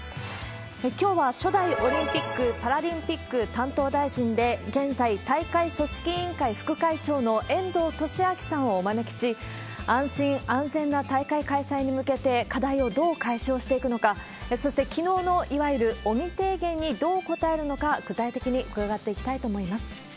きょうは初代オリンピック・パラリンピック担当大臣で、現在大会組織委員会副会長の、遠藤利明さんをお招きし、安心安全な大会開催に向けて、課題をどう解消していくのか、そして、きのうのいわゆる尾身提言にどう応えるのか、具体的に伺っていきたいと思います。